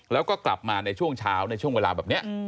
แล้วก็กลับมาในช่วงเวลาแบบนี้